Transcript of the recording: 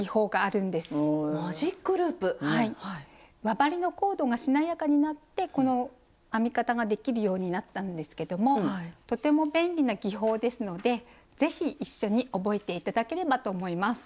輪針のコードがしなやかになってこの編み方ができるようになったんですけどもとても便利な技法ですので是非一緒に覚えて頂ければと思います。